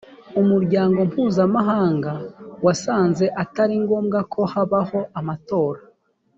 umuryango mpuzamahanga wasanze atari ngombwa ko habaho amatora